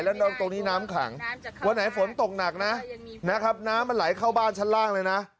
แล้วตรงนี้น้ำขังวันไหนฝนตกหนักนะนะครับน้ำมันไหลเข้าบ้านชั้นล่างเลยนะ